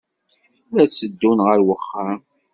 La tteddun ɣer wexxam.